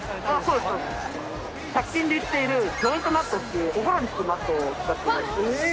そうですそうです１００均で売っているジョイントマットというお風呂に敷くマットを使っています